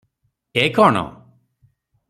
ଏ କଣ?